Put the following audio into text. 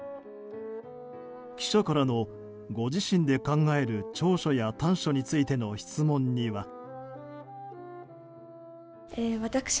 記者からのご自身で考える長所や短所についての質問には。